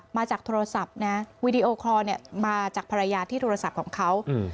มาจากโทรศัพท์นะวีดีโอคอร์เนี่ยมาจากภรรยาที่โทรศัพท์ของเขา